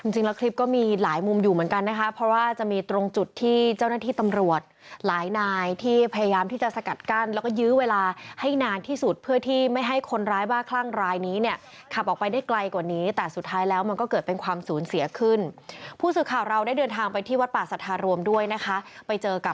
จริงแล้วคลิปก็มีหลายมุมอยู่เหมือนกันนะคะเพราะว่าจะมีตรงจุดที่เจ้าหน้าที่ตำรวจหลายนายที่พยายามที่จะสกัดกั้นแล้วก็ยื้อเวลาให้นานที่สุดเพื่อที่ไม่ให้คนร้ายบ้าคลั่งรายนี้เนี่ยขับออกไปได้ไกลกว่านี้แต่สุดท้ายแล้วมันก็เกิดเป็นความสูญเสียขึ้นผู้สื่อข่าวเราได้เดินทางไปที่วัดป่าสัทธารวมด้วยนะคะไปเจอกับ